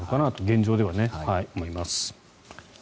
現状では、思います。